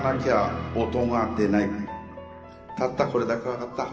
たったこれだけ分かった。